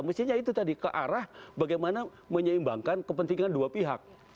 mestinya itu tadi ke arah bagaimana menyeimbangkan kepentingan dua pihak